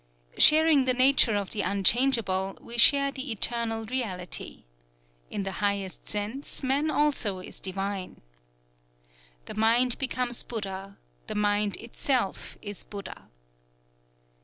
'_" Sharing the nature of the Unchangeable, we share the Eternal Reality. In the highest sense, man also is divine: "_The Mind becomes Buddha: the Mind itself is Buddha.